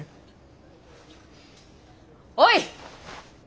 おい！